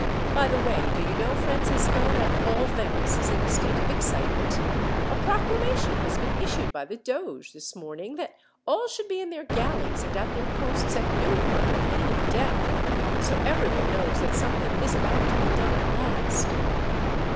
"By the way, do you know, Francisco, that all Venice is in a state of excitement! A proclamation has been issued by the doge, this morning, that all should be in their galleys and at their posts at noon, under pain of death. So everyone knows that something is about to be done, at last."